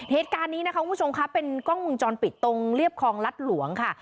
เหตุการณ์นี้นะคะคุณผู้ชมครับเป็นกล้องวงจรปิดตรงเรียบคลองรัฐหลวงค่ะ